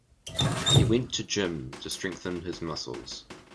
He went to gym to strengthen his muscles.